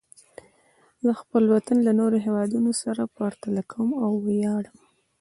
زه خپل وطن له نورو هېوادونو سره پرتله کوم او ویاړم.